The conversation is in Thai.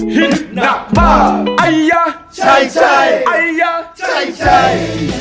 ฮิตหนักห้าไอยะชัยชัยไอยะชัยชัย